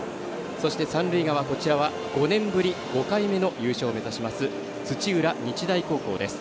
そして、三塁側、こちらは５年ぶり５回目の優勝を目指します土浦日大高校です。